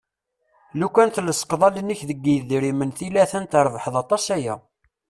Lukan tlesqeḍ allen-ik deg yidrimen tili a-t-an trebḥeḍ aṭas aya.